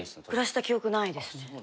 暮らした記憶ないですね。